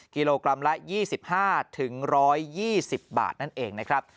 กิโลกรัมละ๒๕๑๒๐บาทนั่นเองนะครับ